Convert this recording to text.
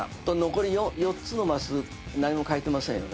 残り４つのマス何も書いてませんよね？